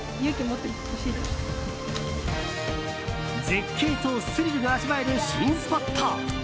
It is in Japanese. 絶景とスリルが味わえる新スポット。